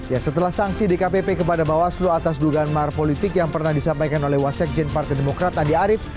ya setelah sanksi dkpp kepada bawaslu atas dugaan mahar politik yang pernah disampaikan oleh wasekjen partai demokrat andi arief